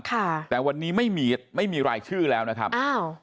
ค่ะแต่วันนี้ไม่มีไม่มีรายชื่อแล้วนะครับอ้าว